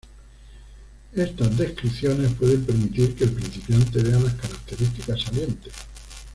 Estas descripciones pueden permitir que el principiante vea las características salientes.